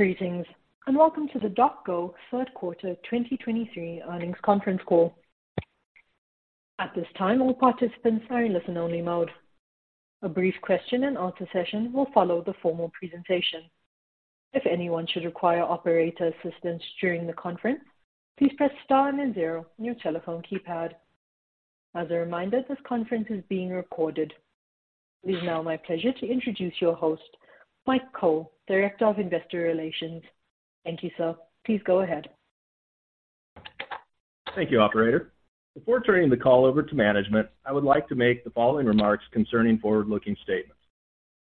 Greetings, and welcome to the DocGo Third Quarter 2023 Earnings Conference Call. At this time, all participants are in listen-only mode. A brief question-and-answer session will follow the formal presentation. If anyone should require operator assistance during the conference, please press star and then zero on your telephone keypad. As a reminder, this conference is being recorded. It is now my pleasure to introduce your host, Mike Cole, Director of Investor Relations. Thank you, sir. Please go ahead. Thank you, operator. Before turning the call over to management, I would like to make the following remarks concerning forward-looking statements.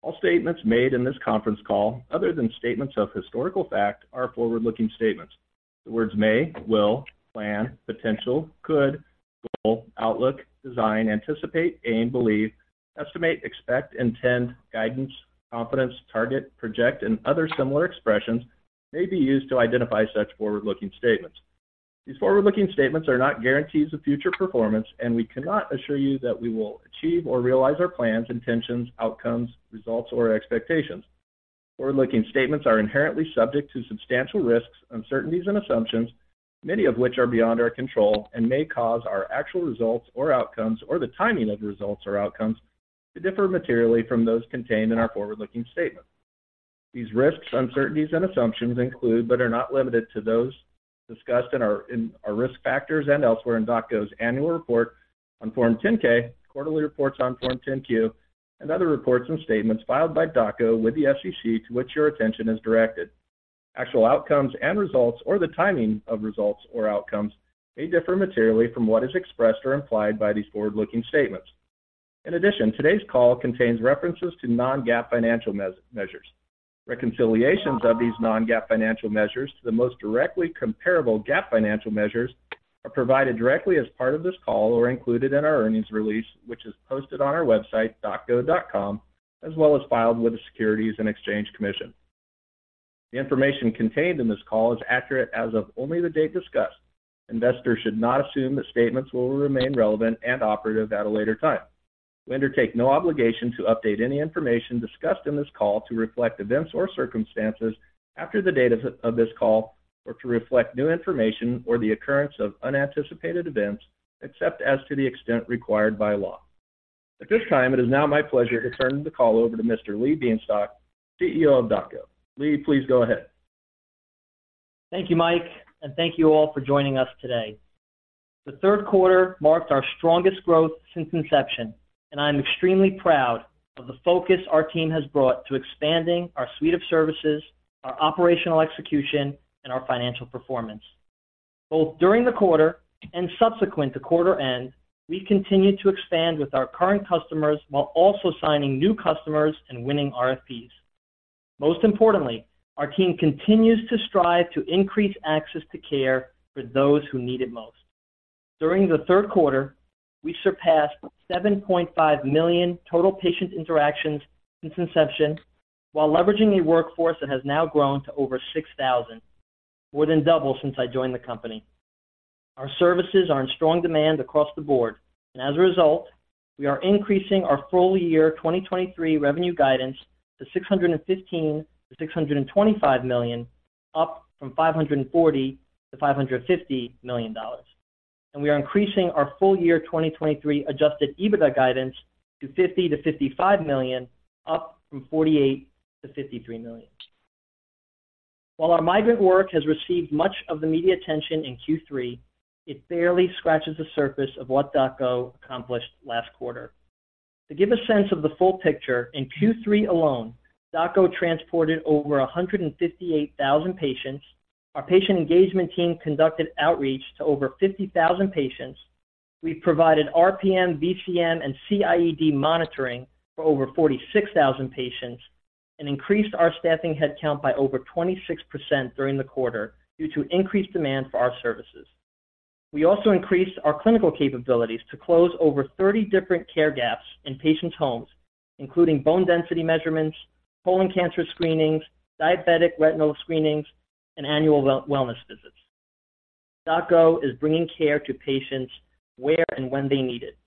All statements made in this conference call, other than statements of historical fact, are forward-looking statements. The words may, will, plan, potential, could, goal, outlook, design, anticipate, aim, believe, estimate, expect, intend, guidance, confidence, target, project, and other similar expressions may be used to identify such forward-looking statements. These forward-looking statements are not guarantees of future performance, and we cannot assure you that we will achieve or realize our plans, intentions, outcomes, results, or expectations. Forward-looking statements are inherently subject to substantial risks, uncertainties, and assumptions, many of which are beyond our control, and may cause our actual results or outcomes or the timing of results or outcomes to differ materially from those contained in our forward-looking statements. These risks, uncertainties, and assumptions include, but are not limited to, those discussed in our risk factors and elsewhere in DocGo's annual report on Form 10-K, quarterly reports on Form 10-Q, and other reports and statements filed by DocGo with the SEC, to which your attention is directed. Actual outcomes and results or the timing of results or outcomes may differ materially from what is expressed or implied by these forward-looking statements. In addition, today's call contains references to non-GAAP financial measures. Reconciliations of these non-GAAP financial measures to the most directly comparable GAAP financial measures are provided directly as part of this call or included in our earnings release, which is posted on our website, docgo.com, as well as filed with the Securities and Exchange Commission. The information contained in this call is accurate as of only the date discussed. Investors should not assume that statements will remain relevant and operative at a later time. We undertake no obligation to update any information discussed in this call to reflect events or circumstances after the date of this call or to reflect new information or the occurrence of unanticipated events, except as to the extent required by law. At this time, it is now my pleasure to turn the call over to Mr. Lee Bienstock, CEO of DocGo. Lee, please go ahead. Thank you, Mike, and thank you all for joining us today. The third quarter marked our strongest growth since inception, and I'm extremely proud of the focus our team has brought to expanding our suite of services, our operational execution, and our financial performance. Both during the quarter and subsequent to quarter end, we continued to expand with our current customers while also signing new customers and winning RFPs. Most importantly, our team continues to strive to increase access to care for those who need it most. During the third quarter, we surpassed 7.5 million total patient interactions since inception, while leveraging a workforce that has now grown to over 6,000, more than double since I joined the company. Our services are in strong demand across the board, and as a result, we are increasing our full year 2023 revenue guidance to $615 million-$625 million, up from $540 million-$550 million. We are increasing our full year 2023 adjusted EBITDA guidance to $50 million-$55 million, up from $48 million-$53 million. While our migrant work has received much of the media attention in Q3, it barely scratches the surface of what DocGo accomplished last quarter. To give a sense of the full picture, in Q3 alone, DocGo transported over 158,000 patients. Our patient engagement team conducted outreach to over 50,000 patients. We provided RPM, CCM, and CIED monitoring for over 46,000 patients and increased our staffing headcount by over 26% during the quarter due to increased demand for our services. We also increased our clinical capabilities to close over 30 different care gaps in patients' homes, including bone density measurements, colon cancer screenings, diabetic retinal screenings, and annual wellness visits. DocGo is bringing care to patients where and when they need it,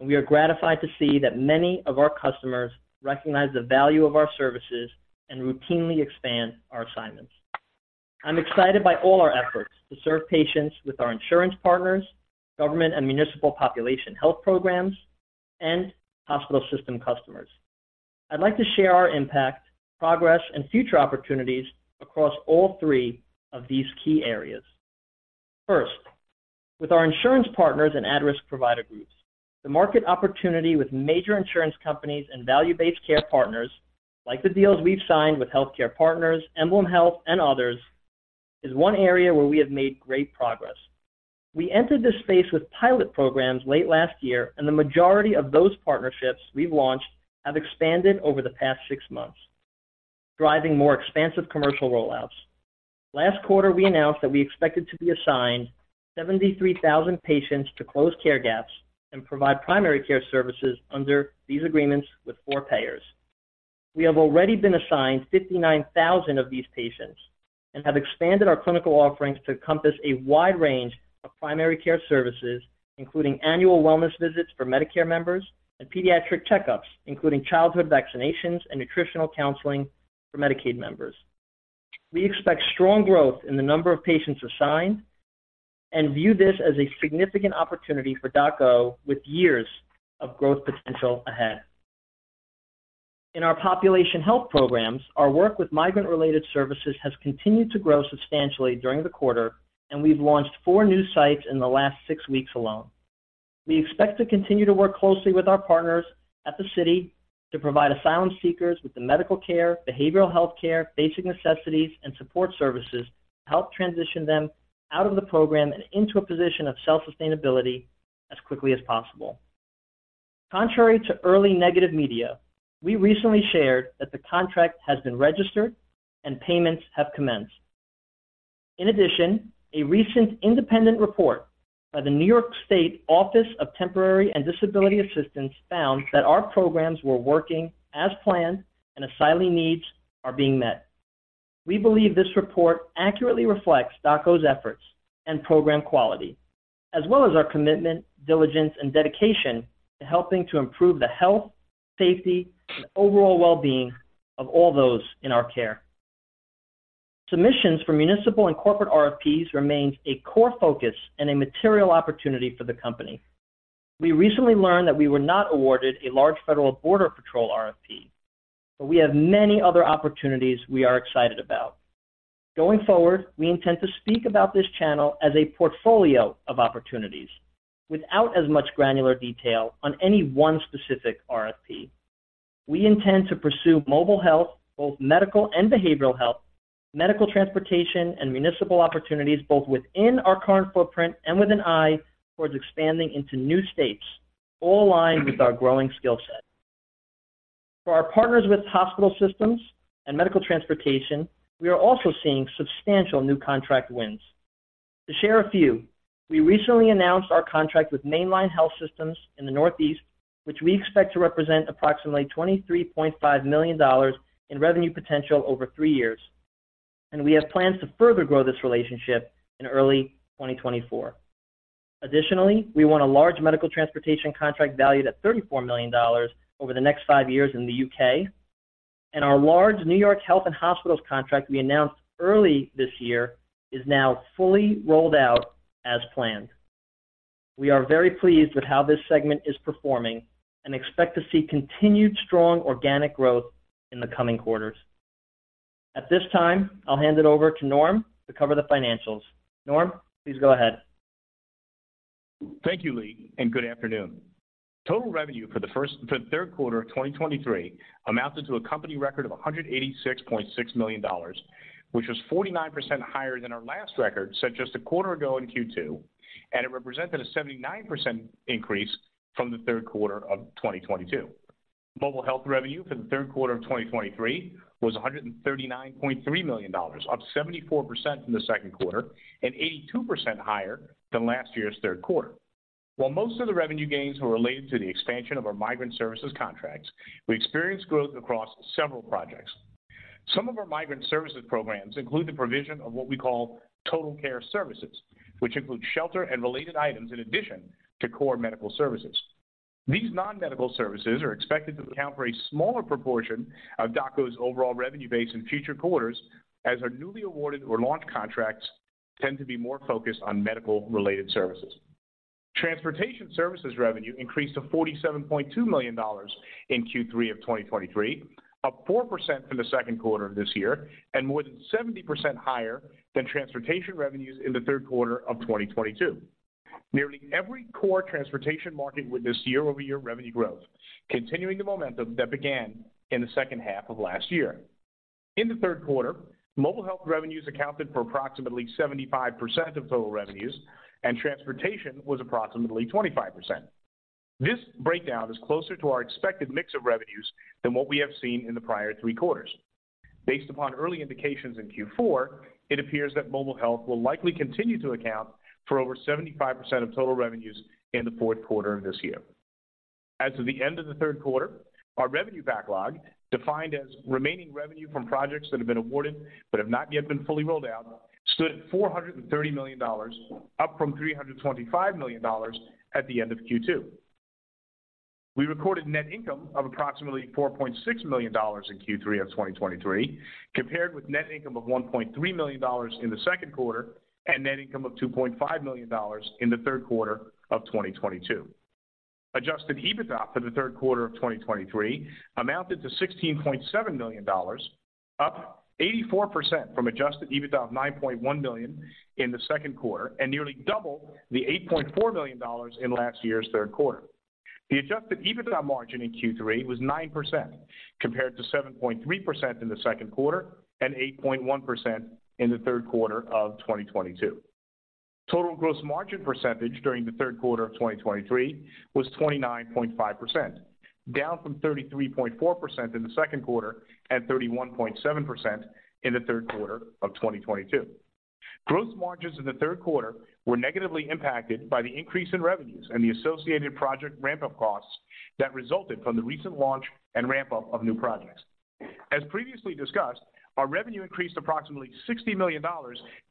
and we are gratified to see that many of our customers recognize the value of our services and routinely expand our assignments. I'm excited by all our efforts to serve patients with our insurance partners, government and municipal population health programs, and hospital system customers. I'd like to share our impact, progress, and future opportunities across all three of these key areas. First, with our insurance partners and at-risk provider groups, the market opportunity with major insurance companies and value-based care partners, like the deals we've signed with HealthCare Partners, EmblemHealth, and others, is one area where we have made great progress. We entered this space with pilot programs late last year, and the majority of those partnerships we've launched have expanded over the past six months, driving more expansive commercial rollouts. Last quarter, we announced that we expected to be assigned 73,000 patients to close care gaps and provide primary care services under these agreements with four payers. We have already been assigned 59,000 of these patients and have expanded our clinical offerings to encompass a wide range of primary care services, including annual wellness visits for Medicare members and pediatric checkups, including childhood vaccinations and nutritional counseling for Medicaid members. We expect strong growth in the number of patients assigned and view this as a significant opportunity for DocGo with years of growth potential ahead. In our population health programs, our work with migrant-related services has continued to grow substantially during the quarter, and we've launched four new sites in the last six weeks alone. We expect to continue to work closely with our partners at the city to provide asylum seekers with the medical care, behavioral health care, basic necessities, and support services to help transition them out of the program and into a position of self-sustainability as quickly as possible. Contrary to early negative media, we recently shared that the contract has been registered and payments have commenced. In addition, a recent independent report by the New York State Office of Temporary and Disability Assistance found that our programs were working as planned and asylee needs are being met. We believe this report accurately reflects DocGo's efforts and program quality, as well as our commitment, diligence, and dedication to helping to improve the health, safety, and overall well-being of all those in our care. Submissions for municipal and corporate RFPs remains a core focus and a material opportunity for the company. We recently learned that we were not awarded a large federal Border Patrol RFP, but we have many other opportunities we are excited about. Going forward, we intend to speak about this channel as a portfolio of opportunities without as much granular detail on any one specific RFP. We intend to pursue mobile health, both medical and behavioral health, medical transportation, and municipal opportunities, both within our current footprint and with an eye towards expanding into new states, all aligned with our growing skill set. For our partners with hospital systems and medical transportation, we are also seeing substantial new contract wins. To share a few, we recently announced our contract with Main Line Health in the Northeast, which we expect to represent approximately $23.5 million in revenue potential over 3 years, and we have plans to further grow this relationship in early 2024. Additionally, we won a large medical transportation contract valued at $34 million over the next 5 years in the U.K., and our large NYC Health + Hospitals contract we announced early this year is now fully rolled out as planned. We are very pleased with how this segment is performing and expect to see continued strong organic growth in the coming quarters. At this time, I'll hand it over to Norm to cover the financials. Norm, please go ahead. Thank you, Lee, and good afternoon. Total revenue for the third quarter of 2023 amounted to a company record of $186.6 million, which was 49% higher than our last record, set just a quarter ago in Q2, and it represented a 79% increase from the third quarter of 2022. Mobile health revenue for the third quarter of 2023 was $139.3 million, up 74% from the second quarter and 82% higher than last year's third quarter. While most of the revenue gains were related to the expansion of our migrant services contracts, we experienced growth across several projects. Some of our migrant services programs include the provision of what we call Total Care Services, which include shelter and related items in addition to core medical services. These non-medical services are expected to account for a smaller proportion of DocGo's overall revenue base in future quarters, as our newly awarded or launched contracts tend to be more focused on medical-related services. Transportation services revenue increased to $47.2 million in Q3 of 2023, up 4% from the second quarter of this year and more than 70% higher than transportation revenues in the third quarter of 2022. Nearly every core transportation market with this year-over-year revenue growth, continuing the momentum that began in the second half of last year. In the third quarter, mobile health revenues accounted for approximately 75% of total revenues, and transportation was approximately 25%. This breakdown is closer to our expected mix of revenues than what we have seen in the prior three quarters. Based upon early indications in Q4, it appears that mobile health will likely continue to account for over 75% of total revenues in the fourth quarter of this year. As of the end of the third quarter, our revenue backlog, defined as remaining revenue from projects that have been awarded but have not yet been fully rolled out, stood at $430 million, up from $325 million at the end of Q2. We recorded net income of approximately $4.6 million in Q3 of 2023, compared with net income of $1.3 million in the second quarter and net income of $2.5 million in the third quarter of 2022. Adjusted EBITDA for the third quarter of 2023 amounted to $16.7 million, up 84% from adjusted EBITDA of $9.1 million in the second quarter and nearly double the $8.4 million in last year's third quarter. The adjusted EBITDA margin in Q3 was 9%, compared to 7.3% in the second quarter and 8.1% in the third quarter of 2022. Total gross margin percentage during the third quarter of 2023 was 29.5%, down from 33.4% in the second quarter and 31.7% in the third quarter of 2022. Gross margins in the third quarter were negatively impacted by the increase in revenues and the associated project ramp-up costs that resulted from the recent launch and ramp-up of new projects. As previously discussed, our revenue increased approximately $60 million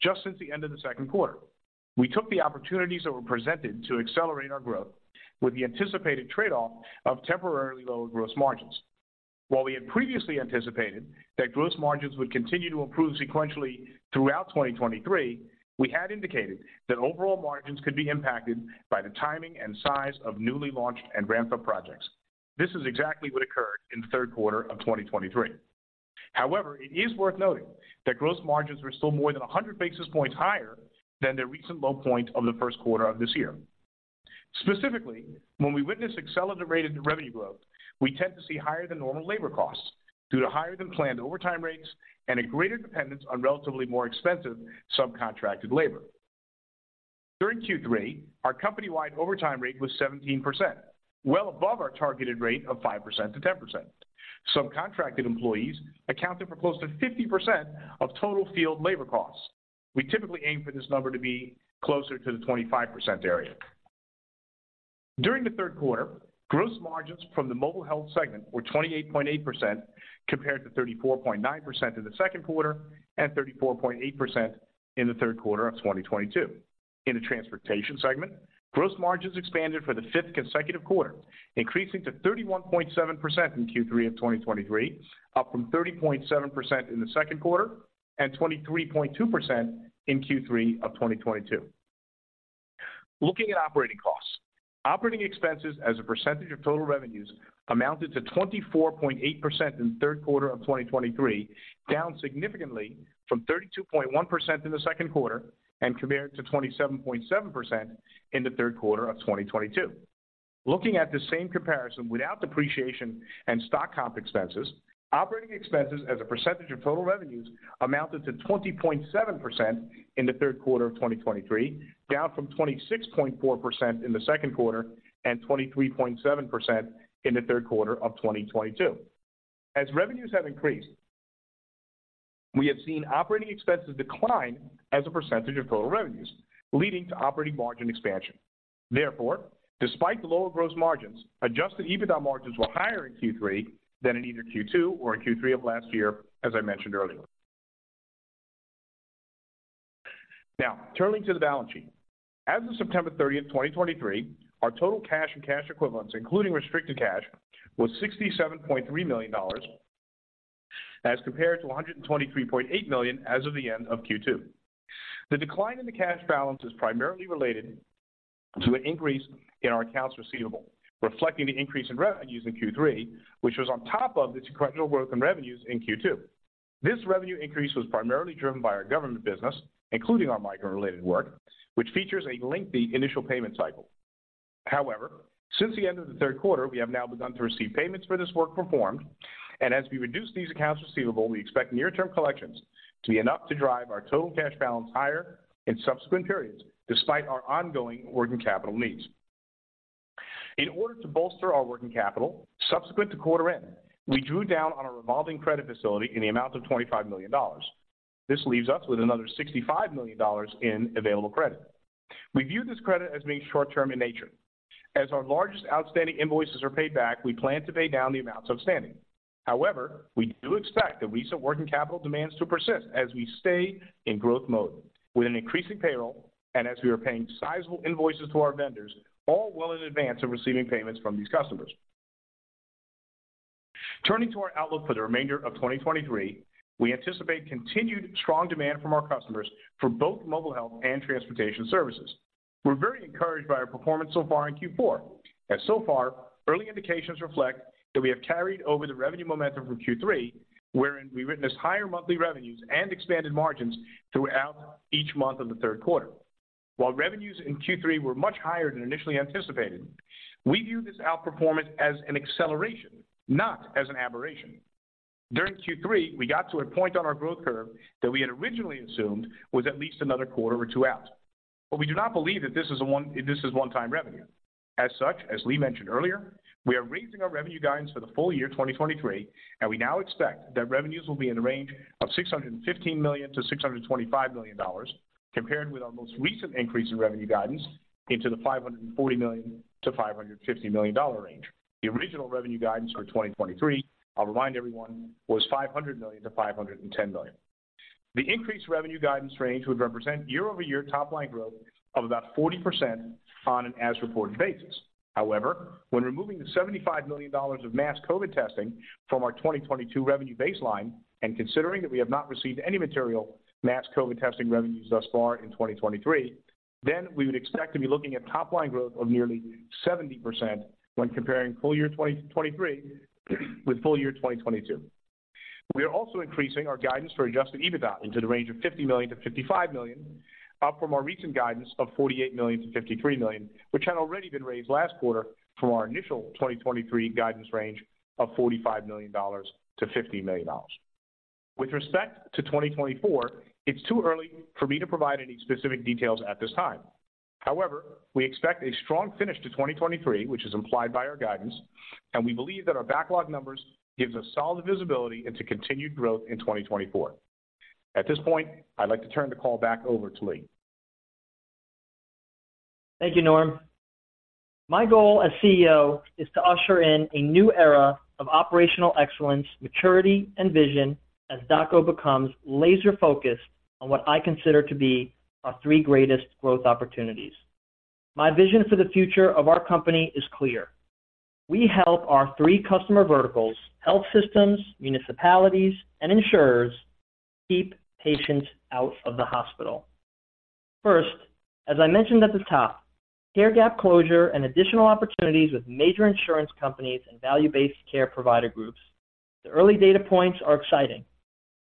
just since the end of the second quarter. We took the opportunities that were presented to accelerate our growth with the anticipated trade-off of temporarily lower gross margins. While we had previously anticipated that gross margins would continue to improve sequentially throughout 2023, we had indicated that overall margins could be impacted by the timing and size of newly launched and ramp-up projects. This is exactly what occurred in the third quarter of 2023. However, it is worth noting that gross margins were still more than 100 basis points higher than their recent low point of the first quarter of this year. Specifically, when we witness accelerated revenue growth, we tend to see higher-than-normal labor costs due to higher-than-planned overtime rates and a greater dependence on relatively more expensive subcontracted labor. During Q3, our company-wide overtime rate was 17%, well above our targeted rate of 5%-10%. Subcontracted employees accounted for close to 50% of total field labor costs. We typically aim for this number to be closer to the 25% area. During the third quarter, gross margins from the mobile health segment were 28.8%, compared to 34.9% in the second quarter and 34.8% in the third quarter of 2022. In the transportation segment, gross margins expanded for the fifth consecutive quarter, increasing to 31.7% in Q3 of 2023, up from 30.7% in the second quarter and 23.2% in Q3 of 2022. Looking at operating costs. Operating expenses as a percentage of total revenues amounted to 24.8% in the third quarter of 2023, down significantly from 32.1% in the second quarter and compared to 27.7% in the third quarter of 2022. Looking at the same comparison without depreciation and stock comp expenses, operating expenses as a percentage of total revenues amounted to 20.7% in the third quarter of 2023, down from 26.4% in the second quarter and 23.7% in the third quarter of 2022. As revenues have increased, we have seen operating expenses decline as a percentage of total revenues, leading to operating margin expansion. Therefore, despite the lower gross margins, adjusted EBITDA margins were higher in Q3 than in either Q2 or Q3 of last year, as I mentioned earlier. Now, turning to the balance sheet. As of September 30, 2023, our total cash and cash equivalents, including restricted cash, was $67.3 million, as compared to $123.8 million as of the end of Q2. The decline in the cash balance is primarily related to an increase in our accounts receivable, reflecting the increase in revenues in Q3, which was on top of the sequential growth in revenues in Q2. This revenue increase was primarily driven by our government business, including our migrant-related work, which features a lengthy initial payment cycle. However, since the end of the third quarter, we have now begun to receive payments for this work performed, and as we reduce these accounts receivable, we expect near-term collections to be enough to drive our total cash balance higher in subsequent periods, despite our ongoing working capital needs. In order to bolster our working capital, subsequent to quarter end, we drew down on our revolving credit facility in the amount of $25 million. This leaves us with another $65 million in available credit. We view this credit as being short-term in nature. As our largest outstanding invoices are paid back, we plan to pay down the amounts outstanding. However, we do expect the recent working capital demands to persist as we stay in growth mode with an increasing payroll and as we are paying sizable invoices to our vendors all well in advance of receiving payments from these customers. Turning to our outlook for the remainder of 2023, we anticipate continued strong demand from our customers for both mobile health and transportation services. We're very encouraged by our performance so far in Q4. So far, early indications reflect that we have carried over the revenue momentum from Q3, wherein we witnessed higher monthly revenues and expanded margins throughout each month of the third quarter. While revenues in Q3 were much higher than initially anticipated, we view this outperformance as an acceleration, not as an aberration. During Q3, we got to a point on our growth curve that we had originally assumed was at least another quarter or two out. But we do not believe that this is one-time revenue. As such, as Lee mentioned earlier, we are raising our revenue guidance for the full year 2023, and we now expect that revenues will be in the range of $615 million-$625 million, compared with our most recent increase in revenue guidance into the $540 million-$550 million range. The original revenue guidance for 2023, I'll remind everyone, was $500 million-$510 million. The increased revenue guidance range would represent year-over-year top line growth of about 40% on an as-reported basis. However, when removing the $75 million of mass COVID testing from our 2022 revenue baseline, and considering that we have not received any material mass COVID testing revenues thus far in 2023, then we would expect to be looking at top-line growth of nearly 70% when comparing full year 2023 with full year 2022. We are also increasing our guidance for adjusted EBITDA into the range of $50 million-$55 million, up from our recent guidance of $48 million-$53 million, which had already been raised last quarter from our initial 2023 guidance range of $45 million-$50 million. With respect to 2024, it's too early for me to provide any specific details at this time. However, we expect a strong finish to 2023, which is implied by our guidance, and we believe that our backlog numbers gives us solid visibility into continued growth in 2024. At this point, I'd like to turn the call back over to Lee. Thank you, Norm. My goal as CEO is to usher in a new era of operational excellence, maturity, and vision, as DocGo becomes laser-focused on what I consider to be our three greatest growth opportunities. My vision for the future of our company is clear. We help our three customer verticals, health systems, municipalities, and insurers, keep patients out of the hospital. First, as I mentioned at the top, care gap closure and additional opportunities with major insurance companies and value-based care provider groups. The early data points are exciting,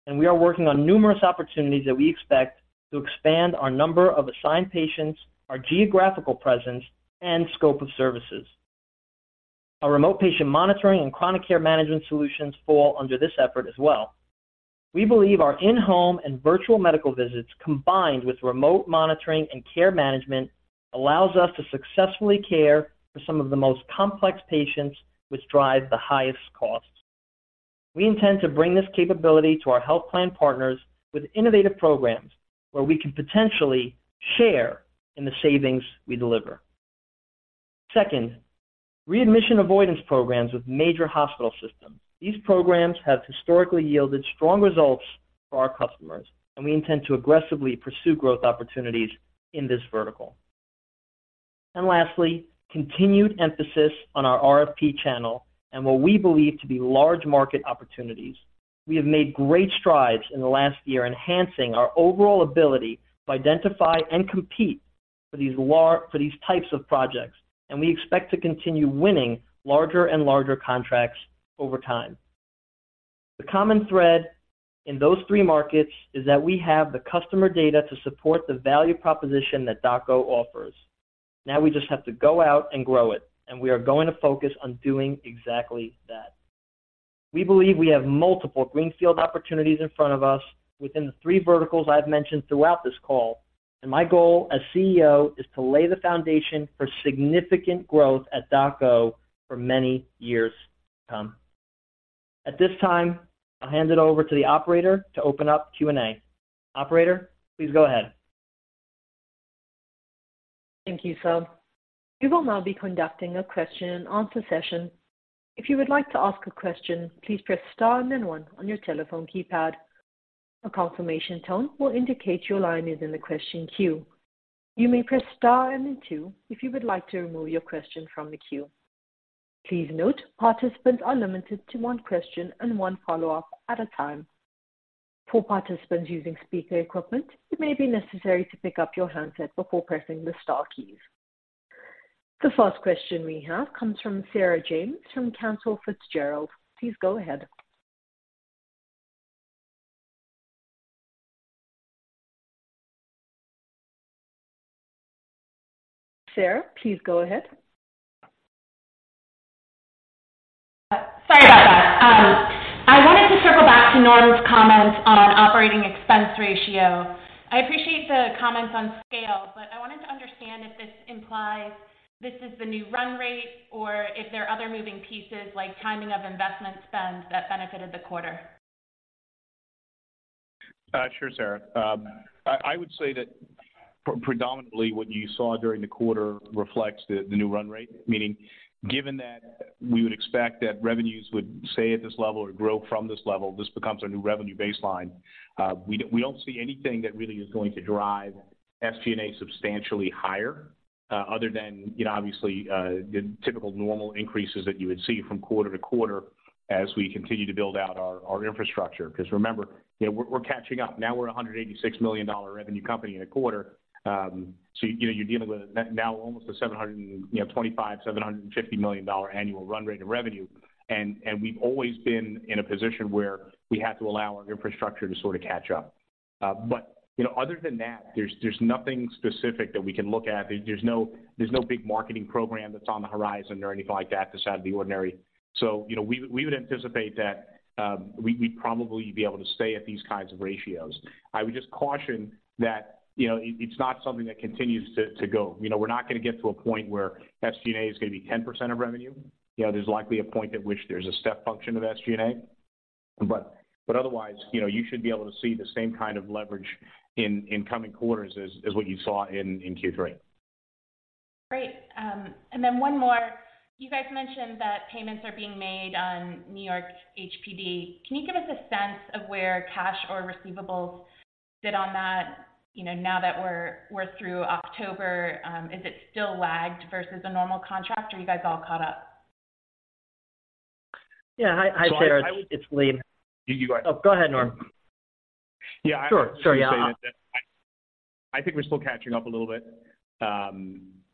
and we are working on numerous opportunities that we expect to expand our number of assigned patients, our geographical presence, and scope of services. Our remote patient monitoring and chronic care management solutions fall under this effort as well. We believe our in-home and virtual medical visits, combined with remote monitoring and care management, allows us to successfully care for some of the most complex patients, which drive the highest costs. We intend to bring this capability to our health plan partners with innovative programs, where we can potentially share in the savings we deliver. Second, readmission avoidance programs with major hospital systems. These programs have historically yielded strong results for our customers, and we intend to aggressively pursue growth opportunities in this vertical. And lastly, continued emphasis on our RFP channel and what we believe to be large market opportunities. We have made great strides in the last year, enhancing our overall ability to identify and compete for these for these types of projects, and we expect to continue winning larger and larger contracts over time. The common thread in those three markets is that we have the customer data to support the value proposition that DocGo offers. Now, we just have to go out and grow it, and we are going to focus on doing exactly that. We believe we have multiple greenfield opportunities in front of us within the three verticals I've mentioned throughout this call, and my goal as CEO is to lay the foundation for significant growth at DocGo for many years to come. At this time, I'll hand it over to the operator to open up Q&A. Operator, please go ahead. Thank you, sir. We will now be conducting a question and answer session. If you would like to ask a question, please press Star and then one on your telephone keypad. A confirmation tone will indicate your line is in the question queue. You may press Star and then two if you would like to remove your question from the queue. Please note, participants are limited to one question and one follow-up at a time. For participants using speaker equipment, it may be necessary to pick up your handset before pressing the star keys. The first question we have comes from Sarah James from Cantor Fitzgerald. Please go ahead. Sarah, please go ahead. Sorry about that. I wanted to circle back to Norm's comment on operating expense ratio. I appreciate the comments on scale, but I wanted to understand if this implies this is the new run rate, or if there are other moving pieces, like timing of investment spends, that benefited the quarter? Sure, Sarah. I would say that predominantly what you saw during the quarter reflects the new run rate. Meaning, given that we would expect that revenues would stay at this level or grow from this level, this becomes our new revenue baseline. We don't see anything that really is going to drive SG&A substantially higher, other than, you know, obviously, the typical normal increases that you would see from quarter to quarter as we continue to build out our infrastructure. Because remember, you know, we're catching up. Now we're a $186 million revenue company in a quarter. So, you know, you're dealing with a net now almost a $725 million-$750 million annual run rate of revenue. We've always been in a position where we had to allow our infrastructure to sort of catch up. But, you know, other than that, there's nothing specific that we can look at. There's no big marketing program that's on the horizon or anything like that, outside of the ordinary. So, you know, we would anticipate that we, we'd probably be able to stay at these kinds of ratios. I would just caution that, you know, it, it's not something that continues to go. You know, we're not gonna get to a point where SGNA is gonna be 10% of revenue. You know, there's likely a point at which there's a step function of SGNA. But otherwise, you know, you should be able to see the same kind of leverage in coming quarters as what you saw in Q3. Great. And then one more. You guys mentioned that payments are being made on New York HPD. Can you give us a sense of where cash or receivables sit on that, you know, now that we're through October? Is it still lagged versus a normal contract, or are you guys all caught up? Yeah. Hi, hi, Sarah. It's Lee. You go ahead. Oh, go ahead, Norm. Yeah. Sure, sure, yeah. I think we're still catching up a little bit.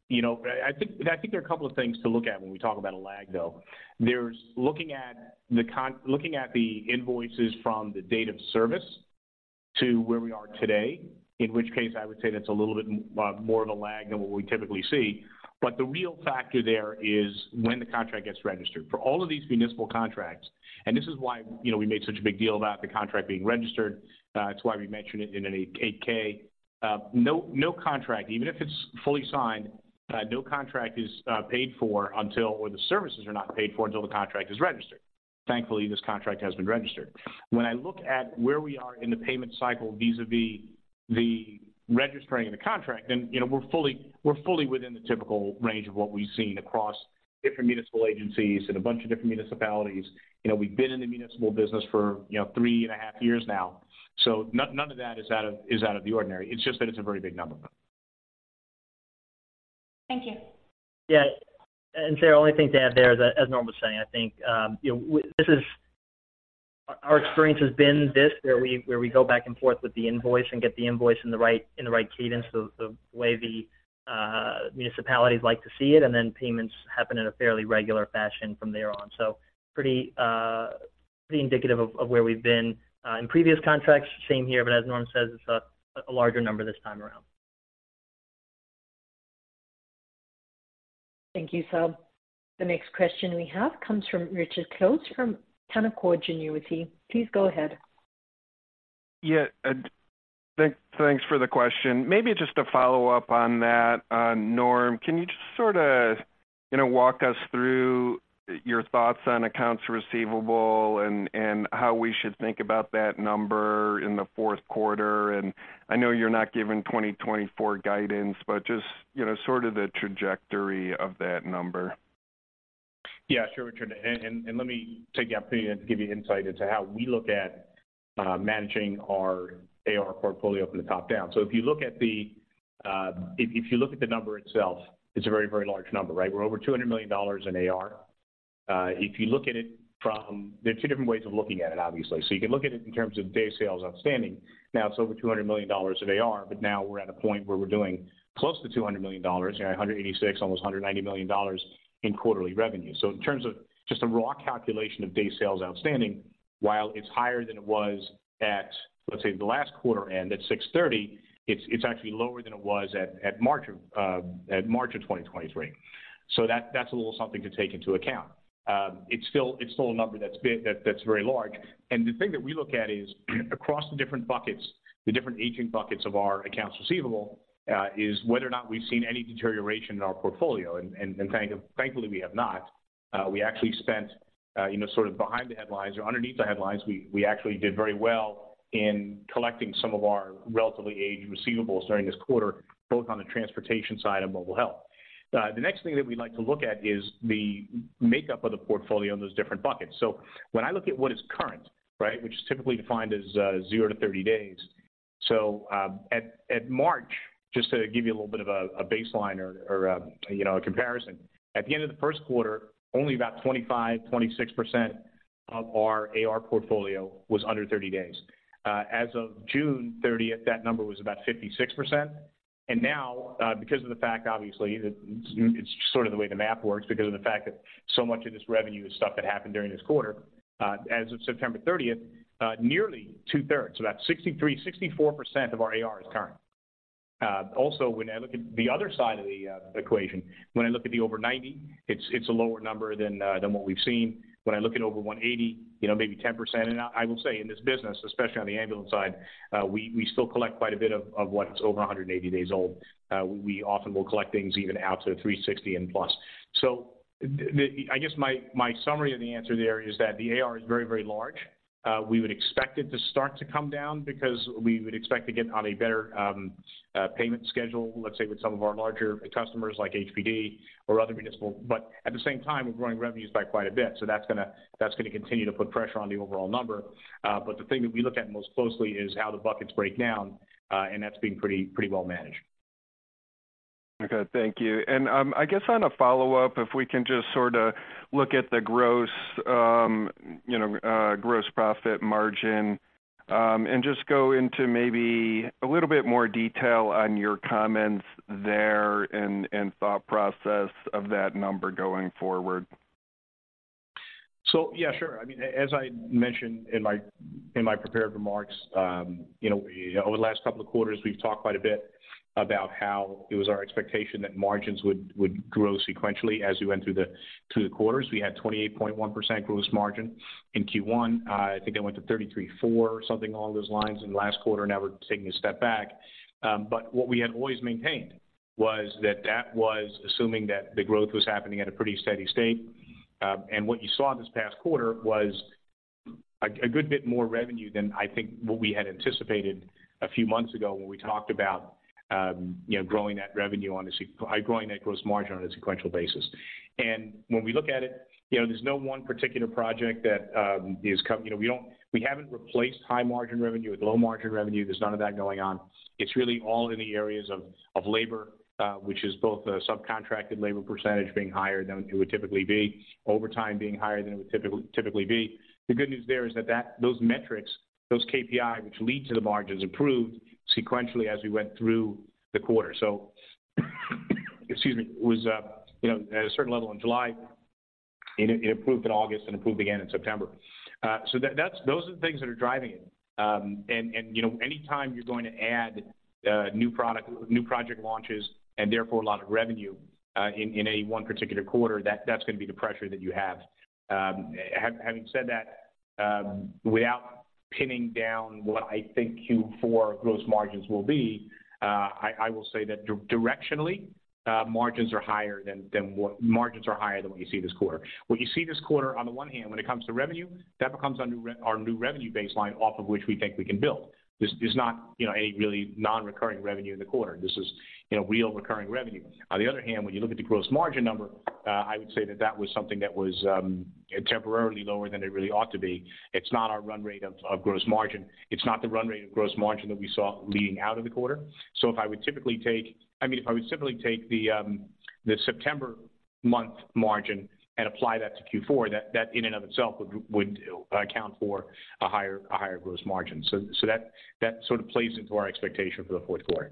You know, I think, I think there are a couple of things to look at when we talk about a lag, though. There's looking at the invoices from the date of service to where we are today, in which case, I would say that's a little bit more of a lag than what we typically see. But the real factor there is when the contract gets registered. For all of these municipal contracts, and this is why, you know, we made such a big deal about the contract being registered, it's why we mentioned it in an 8-K. No contract, even if it's fully signed, no contract is paid for until, or the services are not paid for until the contract is registered. Thankfully, this contract has been registered. When I look at where we are in the payment cycle, vis-a-vis the registering of the contract, then, you know, we're fully, we're fully within the typical range of what we've seen across different municipal agencies and a bunch of different municipalities. You know, we've been in the municipal business for, you know, three and a half years now, so none of that is out of, is out of the ordinary. It's just that it's a very big number. Thank you. Yeah, and Sarah, only thing to add there is that, as Norm was saying, I think, you know, our experience has been this, where we go back and forth with the invoice and get the invoice in the right cadence of the way the municipalities like to see it, and then payments happen in a fairly regular fashion from there on. So pretty indicative of where we've been in previous contracts. Same here, but as Norm says, it's a larger number this time around. Thank you, Sarah. The next question we have comes from Richard Close from Canaccord Genuity. Please go ahead. Yeah, thanks for the question. Maybe just to follow up on that, Norm, can you just sorta, you know, walk us through your thoughts on accounts receivable and, and how we should think about that number in the fourth quarter? And I know you're not giving 2024 guidance, but just, you know, sort of the trajectory of that number. Yeah, sure, Richard. Let me take the opportunity to give you insight into how we look at managing our AR portfolio from the top down. So if you look at the number itself, it's a very, very large number, right? We're over $200 million in AR. If you look at it from. There are two different ways of looking at it, obviously. So you can look at it in terms of day sales outstanding. Now, it's over $200 million of AR, but now we're at a point where we're doing close to $200 million, you know, 186, almost 190 million dollars in quarterly revenue. So in terms of just a raw calculation of day sales outstanding, while it's higher than it was at, let's say, the last quarter end, at June 30, it's actually lower than it was at March of 2023. So that's a little something to take into account. It's still a number that's big, that's very large. And the thing that we look at is, across the different buckets, the different aging buckets of our accounts receivable, is whether or not we've seen any deterioration in our portfolio, and thankfully, we have not. We actually spent, you know, sort of behind the headlines or underneath the headlines, we actually did very well in collecting some of our relatively aged receivables during this quarter, both on the transportation side and mobile health. The next thing that we like to look at is the makeup of the portfolio in those different buckets. So when I look at what is current, right, which is typically defined as 0-30 days. So at March, just to give you a little bit of a baseline or a comparison. At the end of the first quarter, only about 25-26% of our AR portfolio was under 30 days. As of June thirtieth, that number was about 56%. And now, because of the fact, obviously, it's sort of the way the math works, because of the fact that so much of this revenue is stuff that happened during this quarter. As of September thirtieth, nearly two-thirds, so that's 63-64% of our AR is current. Also, when I look at the other side of the equation, when I look at the over 90, it's a lower number than what we've seen. When I look at over 180, you know, maybe 10%. And I will say, in this business, especially on the ambulance side, we still collect quite a bit of what's over 180 days old. We often will collect things even out to 360 and plus. So I guess my summary of the answer there is that the AR is very, very large. We would expect it to start to come down because we would expect to get on a better payment schedule, let's say, with some of our larger customers, like HPD or other municipal. But at the same time, we're growing revenues by quite a bit, so that's gonna, that's gonna continue to put pressure on the overall number. But the thing that we look at most closely is how the buckets break down, and that's being pretty, pretty well managed. Okay, thank you. And I guess on a follow-up, if we can just sorta look at the gross, you know, gross profit margin, and just go into maybe a little bit more detail on your comments there and, and thought process of that number going forward. So, yeah, sure. I mean, as I mentioned in my prepared remarks, you know, over the last couple of quarters, we've talked quite a bit about how it was our expectation that margins would grow sequentially as we went through the quarters. We had 28.1% gross margin in Q1. I think it went to 33.4 or something along those lines in the last quarter. Now we're taking a step back. But what we had always maintained was that that was assuming that the growth was happening at a pretty steady state. And what you saw this past quarter was a good bit more revenue than I think what we had anticipated a few months ago when we talked about, you know, growing that gross margin on a sequential basis. And when we look at it, you know, there's no one particular project that you know, we don't, we haven't replaced high-margin revenue with low-margin revenue. There's none of that going on. It's really all in the areas of labor, which is both the subcontracted labor percentage being higher than it would typically be, overtime being higher than it would typically be. The good news there is that those metrics, those KPI, which lead to the margins, improved sequentially as we went through the quarter. So. Excuse me, was, you know, at a certain level in July, and it improved in August and improved again in September. So that's, those are the things that are driving it. And, you know, anytime you're going to add new product, new project launches and therefore a lot of revenue in any one particular quarter, that's going to be the pressure that you have. Having said that, without pinning down what I think Q4 gross margins will be, I will say that directionally, margins are higher than what, margins are higher than what you see this quarter. What you see this quarter, on the one hand, when it comes to revenue, that becomes our new our new revenue baseline off of which we think we can build. This is not, you know, any really non-recurring revenue in the quarter. This is, you know, real recurring revenue. On the other hand, when you look at the gross margin number, I would say that that was something that was temporarily lower than it really ought to be. It's not our run rate of, of gross margin. It's not the run rate of gross margin that we saw leading out of the quarter. So if I would typically take. I mean, if I would simply take the, the September month margin and apply that to Q4, that, that in and of itself would, would, account for a higher, a higher gross margin. So, so that, that sort of plays into our expectation for the fourth quarter.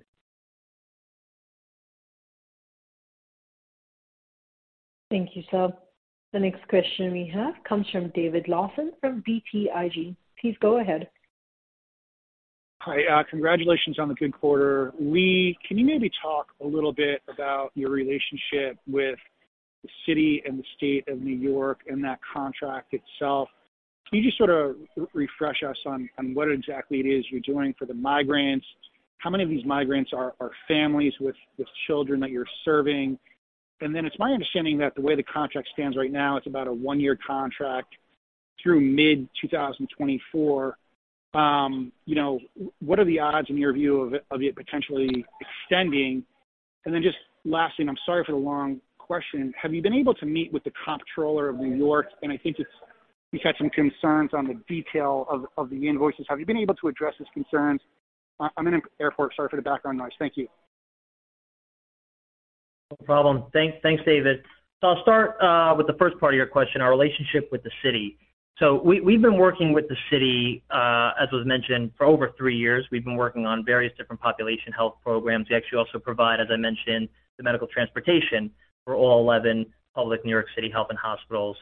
Thank you, sir. The next question we have comes from David Larsen from BTIG. Please go ahead. Hi, congratulations on the good quarter. Lee, can you maybe talk a little bit about your relationship with the city and the state of New York and that contract itself? Can you just sort of refresh us on what exactly it is you're doing for the migrants? How many of these migrants are families with children that you're serving? And then it's my understanding that the way the contract stands right now, it's about a one-year contract through mid-2024. You know, what are the odds, in your view, of it potentially extending? And then just lastly, and I'm sorry for the long question, have you been able to meet with the Comptroller of New York? And I think it's, he's had some concerns on the detail of the invoices. Have you been able to address his concerns? I'm in an airport. Sorry for the background noise. Thank you. No problem. Thanks, thanks, David. So I'll start with the first part of your question, our relationship with the city. So we, we've been working with the city, as was mentioned, for over three years. We've been working on various different population health programs. We actually also provide, as I mentioned, the medical transportation for all 11 public NYC Health + Hospitals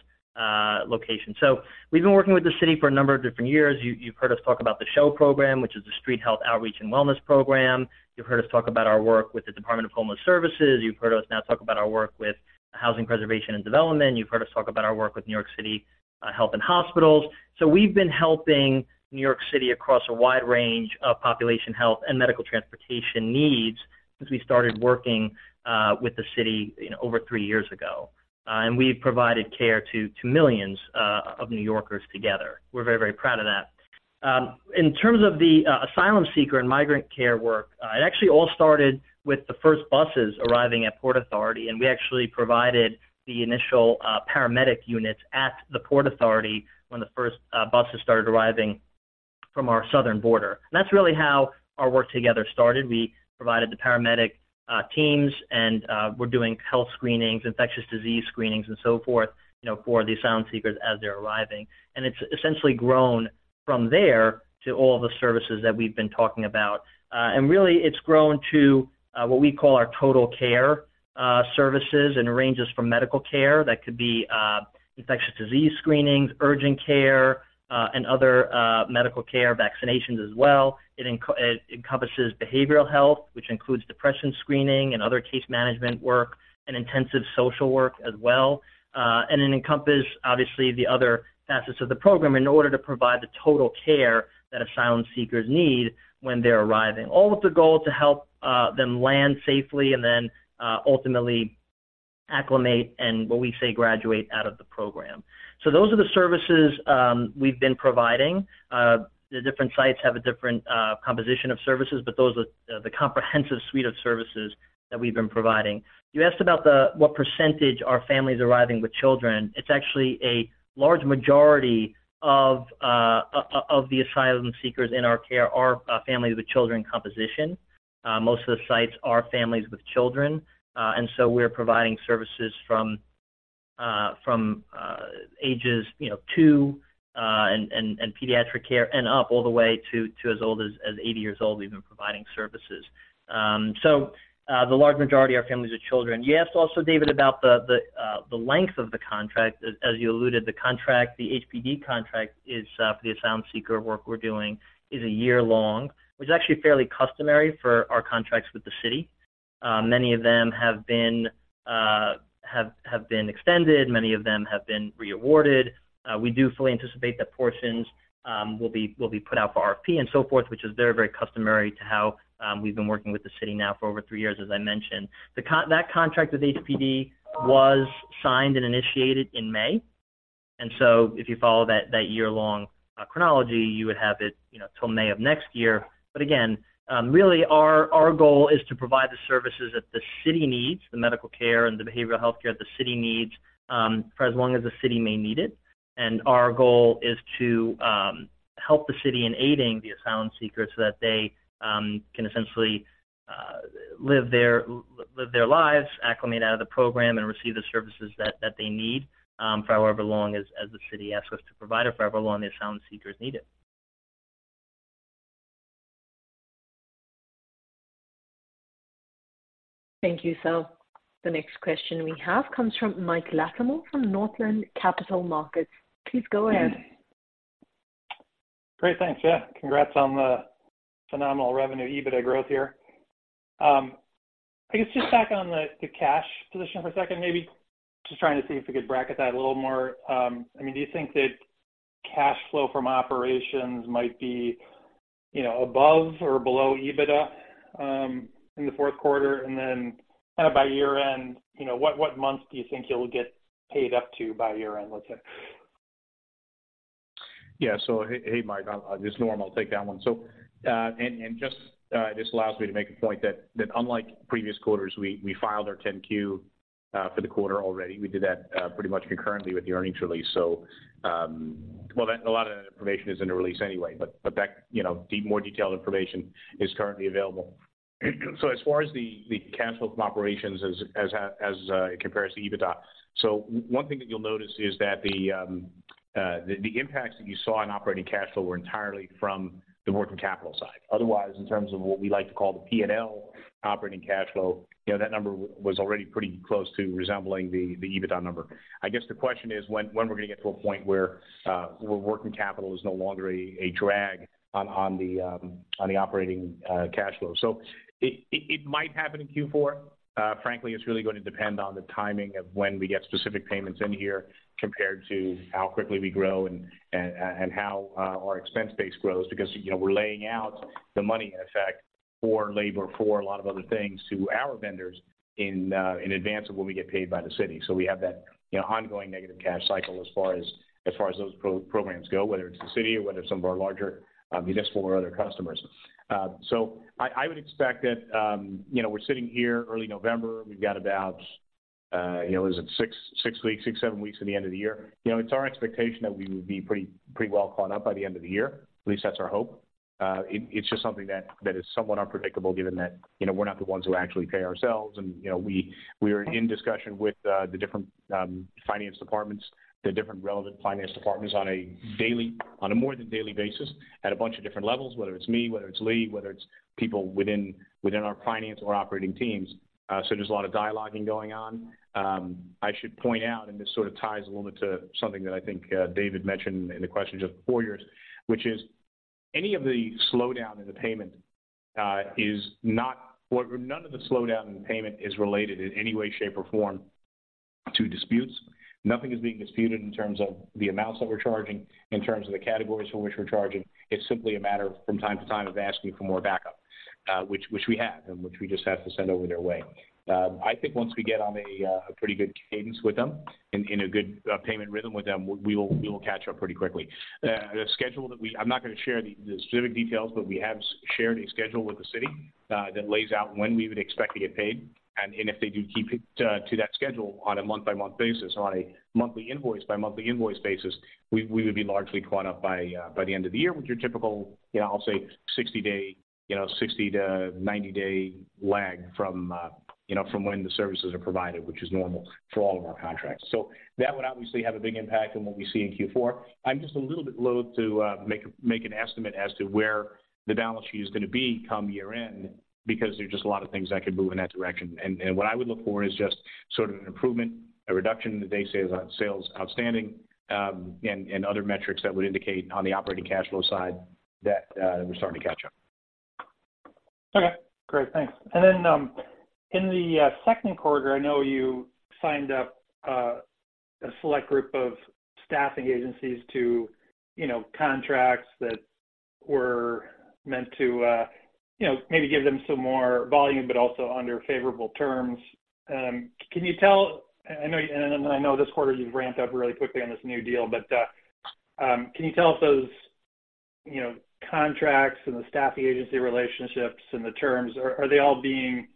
locations. So we've been working with the city for a number of different years. You, you've heard us talk about the SHOW program, which is the Street Health Outreach and Wellness program. You've heard us talk about our work with the Department of Homeless Services. You've heard us now talk about our work with Housing Preservation and Development. You've heard us talk about our work with New York City Health and Hospitals. So we've been helping New York City across a wide range of population health and medical transportation needs since we started working with the city over three years ago. And we've provided care to millions of New Yorkers together. We're very, very proud of that. In terms of the asylum seeker and migrant care work, it actually all started with the first buses arriving at Port Authority, and we actually provided the initial paramedic units at the Port Authority when the first buses started arriving from our southern border. And that's really how our work together started. We provided the paramedic teams, and we're doing health screenings, infectious disease screenings, and so forth, you know, for the asylum seekers as they're arriving. And it's essentially grown from there to all the services that we've been talking about. And really, it's grown to what we call our total care services and ranges from medical care. That could be infectious disease screenings, urgent care, and other medical care, vaccinations as well. It encompasses behavioral health, which includes depression screening and other case management work and intensive social work as well. And it encompasses, obviously, the other facets of the program in order to provide the total care that asylum seekers need when they're arriving. All with the goal to help them land safely and then ultimately acclimate and what we say, graduate out of the program. So those are the services we've been providing. The different sites have a different composition of services, but those are the comprehensive suite of services that we've been providing. You asked about the, what percentage are families arriving with children. It's actually a large majority of the asylum seekers in our care are families with children composition. Most of the sites are families with children, and so we're providing services from ages, you know, 2 and pediatric care and up all the way to as old as 80 years old, we've been providing services. So, the large majority are families with children. You asked also, David, about the length of the contract. As you alluded, the contract, the HPD contract is for the asylum seeker work we're doing, is a year-long. Which is actually fairly customary for our contracts with the city. Many of them have been extended. Many of them have been re-awarded. We do fully anticipate that portions will be, will be put out for RFP and so forth, which is very, very customary to how we've been working with the city now for over three years, as I mentioned. The contract with HPD was signed and initiated in May, and so if you follow that, that year-long chronology, you would have it, you know, till May of next year. But again, really our, our goal is to provide the services that the city needs, the medical care and the behavioral health care the city needs, for as long as the city may need it. And our goal is to help the city in aiding the asylum seekers so that they can essentially live their, live their lives, acclimate out of the program, and receive the services that, that they need for however long as the city asks us to provide or for however long the asylum seekers need it. Thank you, Sir. The next question we have comes from Mike Latimore from Northland Capital Markets. Please go ahead. Great, thanks. Yeah, congrats on the phenomenal revenue EBITDA growth here. I guess just back on the cash position for a second, maybe. Just trying to see if we could bracket that a little more. I mean, do you think that cash flow from operations might be, you know, above or below EBITDA in the fourth quarter? And then, kind of, by year-end, you know, what month do you think you'll get paid up to by year-end, let's say? Yeah. So hey, Mike, this is Norm. I'll take that one. So, and just, this allows me to make a point that unlike previous quarters, we filed our 10-Q for the quarter already. We did that pretty much concurrently with the earnings release. So, well, then a lot of that information is in the release anyway. But that, you know, more detailed information is currently available. So as far as the cash flow from operations as it compares to EBITDA. So one thing that you'll notice is that the impacts that you saw on operating cash flow were entirely from the working capital side. Otherwise, in terms of what we like to call the P&L operating cash flow, you know, that number was already pretty close to resembling the EBITDA number. I guess the question is when we're going to get to a point where working capital is no longer a drag on the operating cash flow. So it might happen in Q4. Frankly, it's really going to depend on the timing of when we get specific payments in here, compared to how quickly we grow and how our expense base grows. Because, you know, we're laying out the money, in effect, for labor, for a lot of other things, to our vendors in advance of when we get paid by the city. So we have that, you know, ongoing negative cash cycle as far as those programs go, whether it's the city or whether it's some of our larger municipal or other customers. So I would expect that, you know, we're sitting here early November. We've got about, you know, is it 6 weeks? 6-7 weeks to the end of the year. You know, it's our expectation that we would be pretty, pretty well caught up by the end of the year. At least that's our hope. It's just something that is somewhat unpredictable, given that, you know, we're not the ones who actually pay ourselves. You know, we, we're in discussion with the different finance departments, the different relevant finance departments, on a daily, on a more than daily basis, at a bunch of different levels, whether it's me, whether it's Lee, whether it's people within, within our finance or operating teams. So there's a lot of dialoguing going on. I should point out, and this sort of ties a little bit to something that I think David mentioned in the question just before yours, which is any of the slowdown in the payment is not what. None of the slowdown in the payment is related in any way, shape, or form to disputes. Nothing is being disputed in terms of the amounts that we're charging, in terms of the categories for which we're charging. It's simply a matter of, from time to time, of asking for more backup, which we have, and which we just have to send over their way. I think once we get on a pretty good cadence with them and in a good payment rhythm with them, we will catch up pretty quickly. The schedule. I'm not going to share the specific details, but we have shared a schedule with the city that lays out when we would expect to get paid. And if they do keep it to that schedule on a month-by-month basis, on a monthly invoice by monthly invoice basis, we would be largely caught up by the end of the year, with your typical, you know, I'll say 60-day, you know, 60- to 90-day lag from when the services are provided, which is normal for all of our contracts. So that would obviously have a big impact on what we see in Q4. I'm just a little bit loathe to make an estimate as to where the balance sheet is going to be come year-end, because there's just a lot of things that could move in that direction. What I would look for is just sort of an improvement, a reduction in the days sales outstanding, and other metrics that would indicate on the operating cash flow side that we're starting to catch up. Okay, great. Thanks. And then, in the second quarter, I know you signed up a select group of staffing agencies to, you know, contracts that were meant to, you know, maybe give them some more volume, but also under favorable terms. Can you tell, I know, and I know this quarter you've ramped up really quickly on this new deal, but, can you tell if those, you know, contracts and the staffing agency relationships and the terms, are they all being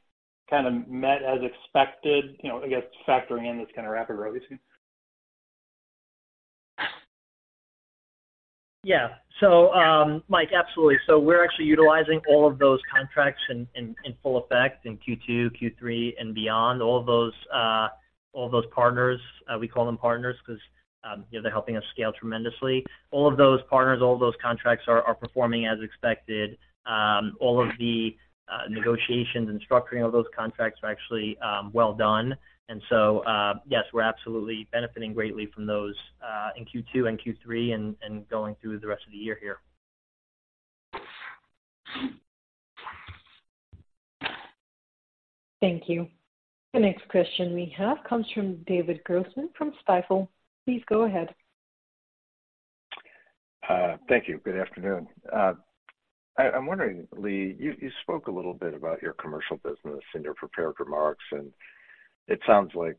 kind of met as expected? You know, I guess, factoring in this kind of rapid growth you're seeing. Yeah. So, Mike, absolutely. So we're actually utilizing all of those contracts in full effect in Q2, Q3, and beyond. All of those, all of those partners, we call them partners because, you know, they're helping us scale tremendously. All of those partners, all of those contracts are performing as expected. All of the negotiations and structuring of those contracts are actually well done. And so, yes, we're absolutely benefiting greatly from those in Q2 and Q3 and going through the rest of the year here. Thank you. The next question we have comes from David Grossman, from Stifel. Please go ahead. Thank you. Good afternoon. I'm wondering, Lee, you spoke a little bit about your commercial business in your prepared remarks, and it sounds like